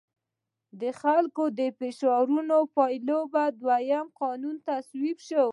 د خلکو د فشارونو په پایله کې دویم قانون تصویب شو.